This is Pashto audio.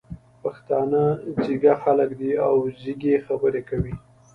پښتانه ځيږه خلګ دي او ځیږې خبري کوي.